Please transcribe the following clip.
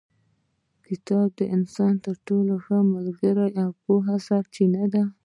کتاب د انسان تر ټولو ښه ملګری او د پوهې سرچینه ده.